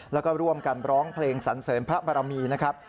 แล้วก็ร่วมกันร้องเพลงสันเสริมพระบรมีนะครับ